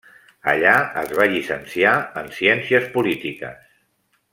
Allà es va llicenciar en ciències polítiques.